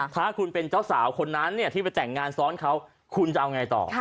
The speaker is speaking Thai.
ถ้าคุณเป็นเจ้าสาวคนนั้นที่ไปแต่งงานซ้อนเขาคุณจะเอาไงต่อ